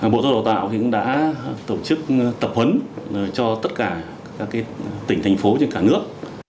bộ giáo dục đào tạo cũng đã tổ chức tập huấn cho tất cả các tỉnh thành phố trên cả nước